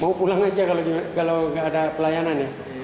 mau pulang saja kalau tidak ada pelayanan ya